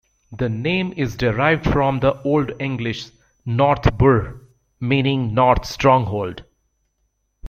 The name is derived from the Old English "north burh", meaning "north stronghold".